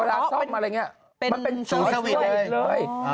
เวลาซ่อมอะไรอย่างนี้